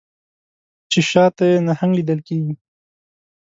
چې شا ته یې نهنګ لیدل کیږي